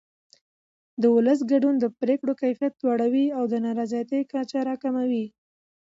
د ولس ګډون د پرېکړو کیفیت لوړوي او د نارضایتۍ کچه راکموي